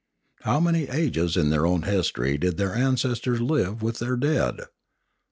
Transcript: How many ages in their own history did their ancestors live with their dead!